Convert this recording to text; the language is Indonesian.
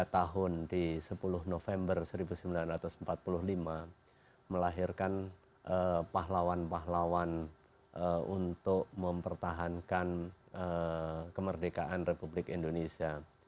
tiga tahun di sepuluh november seribu sembilan ratus empat puluh lima melahirkan pahlawan pahlawan untuk mempertahankan kemerdekaan republik indonesia